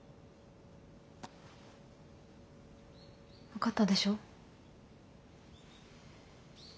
分かったでしょ？